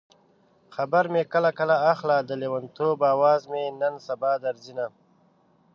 خبر مې کله کله اخله د لېونتوب اواز مې نن سبا درځينه